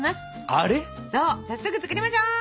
そう早速作りましょう。